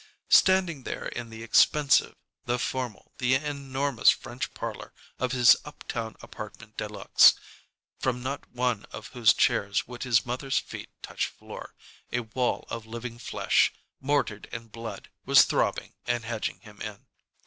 Standing there in the expensive, the formal, the enormous French parlor of his up town apartment de luxe, from not one of whose chairs would his mother's feet touch floor, a wall of living flesh, mortared in blood, was throbbing and hedging him in.